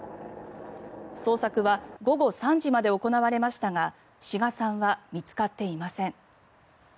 捜索は午後３時まで行われましたが志賀さんは見つかっていません。